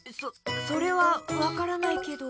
そそれはわからないけど。